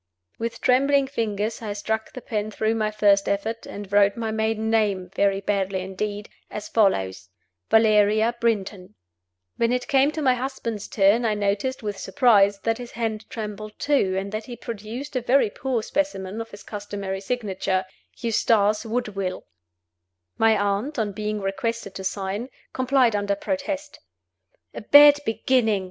With trembling fingers I struck the pen through my first effort, and wrote my maiden name, very badly indeed, as follows: Valeria Brinton When it came to my husband's turn I noticed, with surprise, that his hand trembled too, and that he produced a very poor specimen of his customary signature: Eustace Woodville My aunt, on being requested to sign, complied under protest. "A bad beginning!"